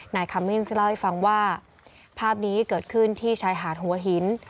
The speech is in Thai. คัมมินส์เล่าให้ฟังว่าภาพนี้เกิดขึ้นที่ชายหาดหัวหิน